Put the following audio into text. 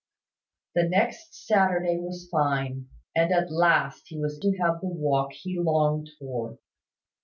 The next Saturday was fine, and at last he was to have the walk he longed for.